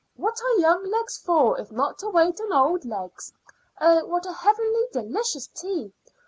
"What are young legs for if not to wait on old legs? Oh, what a heavenly, delicious tea!